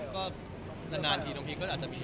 ก็นานที่ตรงที่ก็อาจจะมี